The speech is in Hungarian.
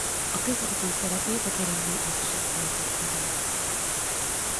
A közvetítő szerepét a keringő egység töltötte be.